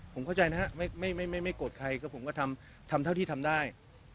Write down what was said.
ผมเข้าใจนะครับไม่โกรธใครก็ผมก็ทำเท่าที่ทำได้